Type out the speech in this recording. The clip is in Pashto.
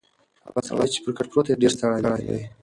هغه سړی چې پر کټ پروت دی ډېر ستړی دی.